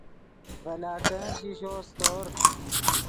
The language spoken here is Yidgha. ڤے لاٹین شیشو سیتور